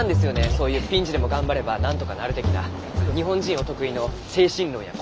そういうピンチでも頑張ればなんとかなる的な日本人お得意の精神論や根性論。